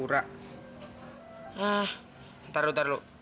eh tapi tar dulu tar dulu